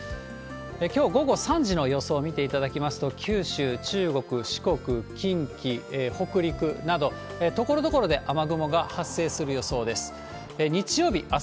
きょう午後３時の予想を見ていただきますと、九州、中国、四国、近畿、北陸など、ところどころで雨雲が発生する予想です。